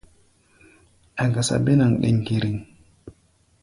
A̧ gasa bénaŋ ɗéŋkéréŋ.